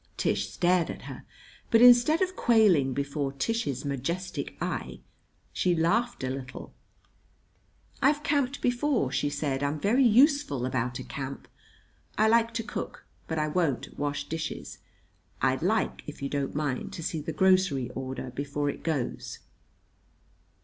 Tish stared at her; but instead of quailing before Tish's majestic eye she laughed a little. "I've camped before," she said. "I'm very useful about a camp. I like to cook; but I won't wash dishes. I'd like, if you don't mind, to see the grocery order before it goes."